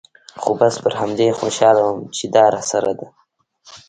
خو بس پر همدې خوشاله وم چې دا راسره ده.